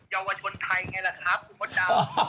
เยาวชนไทยไงล่ะครับคุณมดดำ